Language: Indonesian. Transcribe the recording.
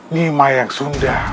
nima yang sunda